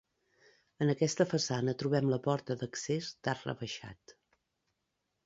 En aquesta façana trobem la porta d'accés d'arc rebaixat.